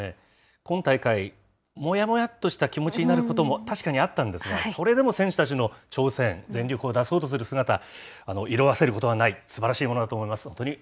今大会、もやもやっとした気持ちになることも確かにあったんですが、それでも選手たちの挑戦、全力を出そうとする姿、色あせることがない、すばらしいものだと思います。